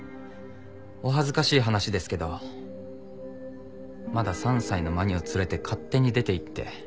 お恥ずかしい話ですけどまだ３歳のまにを連れて勝手に出て行って。